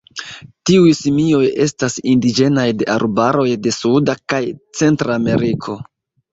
Tiuj simioj estas indiĝenaj de arbaroj de Suda kaj Centrameriko.